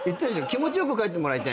気持ち良く帰ってもらいたいんですよ。